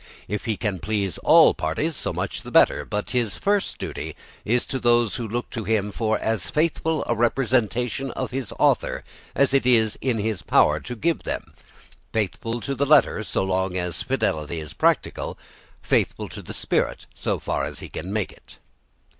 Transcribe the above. If he can please all parties, so much the better; but his first duty is to those who look to him for as faithful a representation of his author as it is in his power to give them, faithful to the letter so long as fidelity is practicable, faithful to the spirit so far as he can make it.